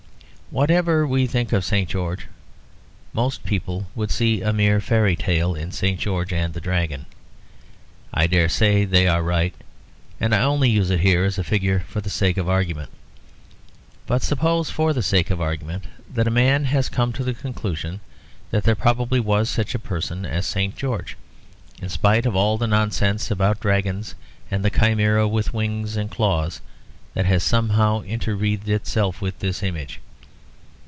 Whatever we think of St. George, most people would see a mere fairy tale in St. George and the Dragon. I dare say they are right; and I only use it here as a figure for the sake of argument. But suppose, for the sake of argument, that a man has come to the conclusion that there probably was such a person as St. George, in spite of all the nonsense about dragons and the chimera with wings and claws that has somehow interwreathed itself with his image.